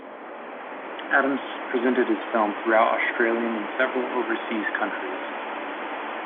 Adams presented his film throughout Australian and several overseas countries.